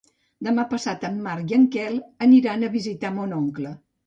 Demà passat en Marc i en Quel aniran a visitar mon oncle.